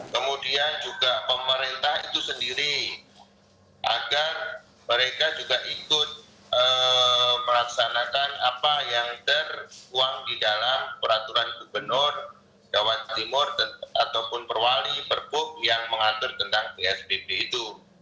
kemudian juga pemerintah itu sendiri agar mereka juga ikut melaksanakan apa yang terkuang di dalam peraturan gubernur jawa timur ataupun perwali perpuk yang mengatur tentang psbb itu